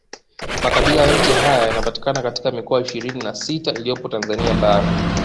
Makabila yote haya yanapatikana katika mikoa ishirini na sita iliyopo Tanzania bara